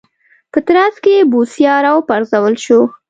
په ترڅ کې یې بوسیا راوپرځول شو.